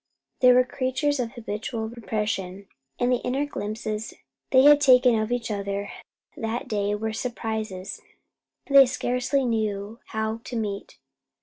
They were creatures of habitual repression, and the inner glimpses they had taken of each other that day were surprises they scarcely knew how to meet.